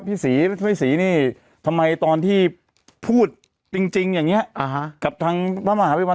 พี่สีพี่สีนี่ทำไมตอนที่พูดจริงจริงอย่างเงี้ยอ่าฮะกับทางพระมหาวิวัล